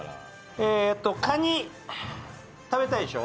えっとカニ食べたいでしょ？